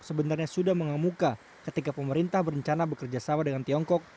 sebenarnya sudah mengemuka ketika pemerintah berencana bekerja sama dengan tiongkok